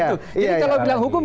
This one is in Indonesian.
jadi kalau bilang hukum